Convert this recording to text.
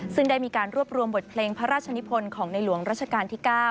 ซึ่งได้มีการรวบรวมบทเพลงพระราชนิพลของในหลวงรัชกาลที่๙